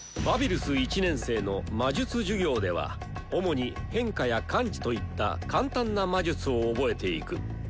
バビルス１年生の魔術授業では主に変化や感知といった簡単な魔術を覚えていく。